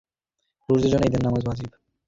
পুরুষদের জন্য ঈদের নামাজ ওয়াজিব।